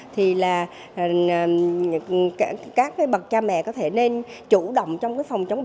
thì là các bậc cha mẹ có thể nên chủ động trong cái phòng chống bệnh